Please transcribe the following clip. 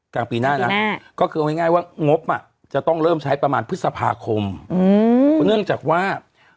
กลางปีหน้า